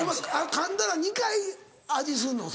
かんだら２回味すんの？